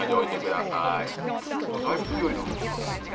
だいぶ強いな。